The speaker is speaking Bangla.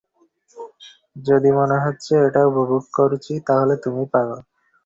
যদি মনে হচ্ছে এটা উপভোগ করছি, তাহলে তুমি পাগল!